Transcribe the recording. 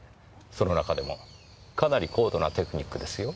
その中でもかなり高度なテクニックですよ。